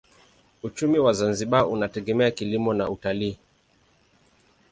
Uchumi wa Zanzibar unategemea kilimo na utalii.